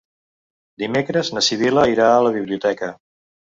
Dimecres na Sibil·la irà a la biblioteca.